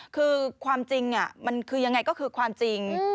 คือความจริงมันคือยังไงก็คือความจริง